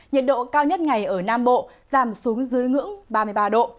nhiệt độ cao nhất ngày ở nam bộ giảm xuống dưới ngưỡng ba mươi ba độ